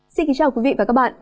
xin kính chào quý vị và các bạn